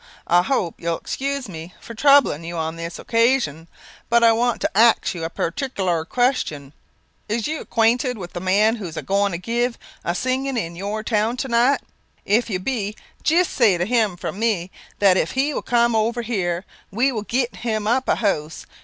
I hope you will excuse me for troubling you on this occasion; but I want to ax you a partic'lar question. Is you acquainted with the man who is a goin' to give a sing in your town to night? If you be, jist say to him, from me, that if he will come over here, we will get him up a house.